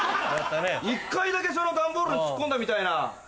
一回だけ段ボールに突っ込んだみたいな。